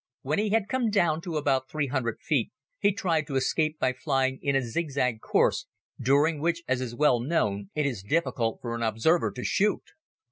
When he had come down to about three hundred feet he tried to escape by flying in a zig zag course during which, as is well known, it is difficult for an observer to shoot.